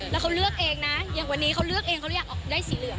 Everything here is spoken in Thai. แล้วเขาเลือกเองนะอย่างวันนี้เขาเลือกเองเขาอยากได้สีเหลือง